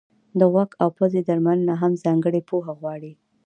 د غوږ او پزې درملنه هم ځانګړې پوهه غواړي.